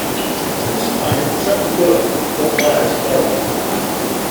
This time it was at The Buddha in Fort Myers, Florida.